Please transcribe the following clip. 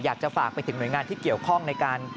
อยากจะฝากไปถึงหน่วยงานที่เกี่ยวข้องในการ